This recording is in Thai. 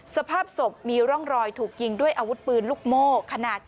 สภาพศพมีร่องรอยถูกยิงด้วยอาวุธปืนลูกโม่ขนาด